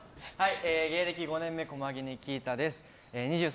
芸歴５年目、駒木根葵汰です。